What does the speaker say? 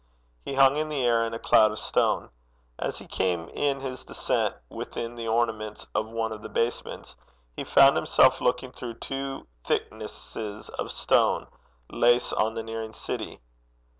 He hung in the air in a cloud of stone. As he came in his descent within the ornaments of one of the basements, he found himself looking through two thicknesses of stone lace on the nearing city.